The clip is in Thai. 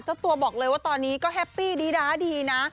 เจ้าตัวบอกเลยว่าตอนนี้ก็แฮปปี้ดีด้าดีนะ